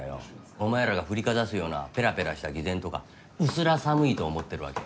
お前らが振りかざすようなぺらぺらした偽善とか薄ら寒いと思ってるわけ。